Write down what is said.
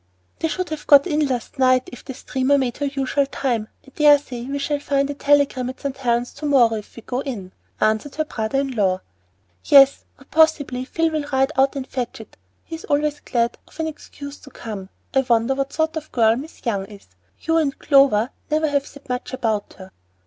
"They should have got in last night if the steamer made her usual time. I dare say we shall find a telegram at St. Helen's to morrow if we go in," answered her brother in law. "Yes, or possibly Phil will ride out and fetch it. He is always glad of an excuse to come. I wonder what sort of girl Miss Young is. You and Clover never have said much about her."